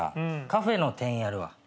カフェの店員やるわ。